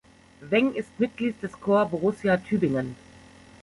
Weng ist Mitglied des Corps Borussia Tübingen.